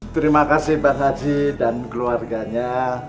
terima kasih pak haji dan keluarganya